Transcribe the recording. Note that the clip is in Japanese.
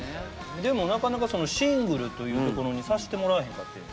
でもなかなかシングルというところにさせてもらえへんかって。